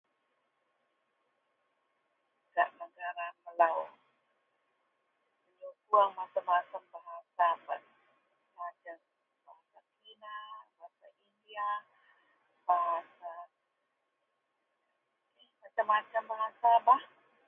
Gak negara melou, menyukuong macem-macem bahasa.. [unintelligible] bahasa Kina, bahasa India, bahasa. Macem-macem bahasa bah